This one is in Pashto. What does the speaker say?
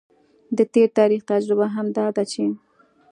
د تیر تاریخ تجربه هم دا ده چې